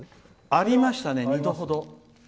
ありましたね、２度ほど。